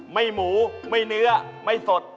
หมูไม่เนื้อไม่สด